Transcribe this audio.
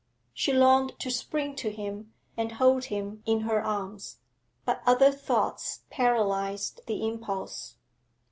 She longed to spring to him and hold him in her arms, but other thoughts paralysed the impulse.